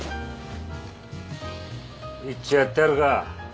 いっちょやってやるか。